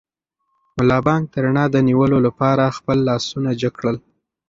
ملا بانګ د رڼا د نیولو لپاره خپل لاسونه جګ کړل.